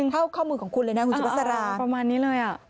เข้าข้อมือของคุณเลยนะคุณสุภาษาประมาณนี้เลย